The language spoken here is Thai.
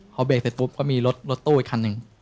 พอเบรกเสร็จปุ๊บก็มีรถตู้อีกคันหนึ่ง